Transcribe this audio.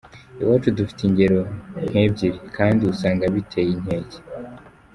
Iwacu dufite ingero nk’ebyiri kandi usanga biteye inkeke.